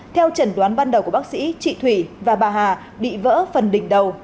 theo trần đoán ban đầu của bác sĩ chị thủy và bà hà bị vỡ phần đỉnh đầu